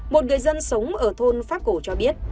một người dân sống ở thôn pháp cổ cho biết